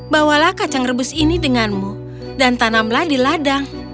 bawalah kacang rebus ini denganmu dan tanamlah di ladang